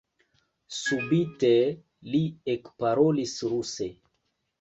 Subite li ekparolis ruse: